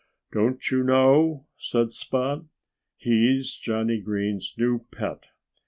"Don't you know?" said Spot. "He's Johnnie Green's new pet.